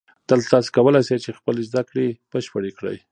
دلته تاسو کولای شئ چې خپلې زده کړې بشپړې کړئ